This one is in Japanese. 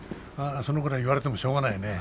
それぐらい言われてもしょうがない。